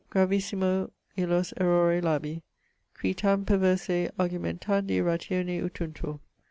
gravissimo illos errore labi, qui tam perverse argumentandi ratione utuntur.